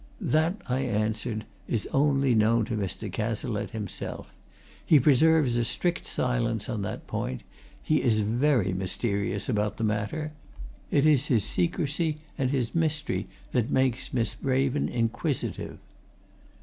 "That," I answered, "is only known to Mr. Cazalette himself. He preserves a strict silence on that point. He is very mysterious about the matter. It is his secrecy, and his mystery, that makes Miss Raven inquisitive."